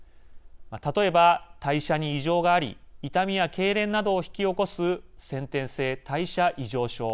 例えば、代謝に異常があり痛みやけいれんなどを引き起こす先天性代謝異常症。